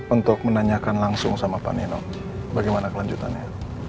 untuk menanyakan langsung sama pak nino bagaimana kelanjutannya